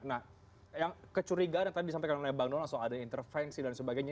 nah yang kecurigaan yang tadi disampaikan oleh bang donal soal ada intervensi dan sebagainya